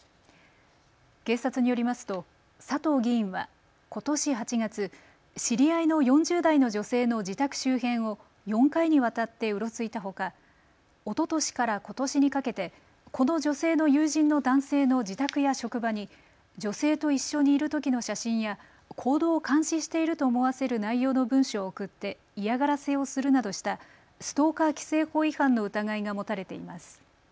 警察によりますと佐藤議員はことし８月、知り合いの４０代の女性の自宅周辺を４回にわたってうろついたほか、おととしからことしにかけてこの女性の友人の男性の自宅や職場に女性と一緒にいるときの写真や行動を監視していると思わせる内容の文書を送って嫌がらせをするなどしたストーカー規制法違反の疑いが持たれています。